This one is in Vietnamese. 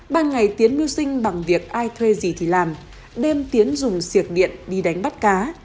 ban ngày tiến mưu sinh bằng việc ai thuê gì thì làm đêm tiến dùng siệc điện đi đánh bắt cá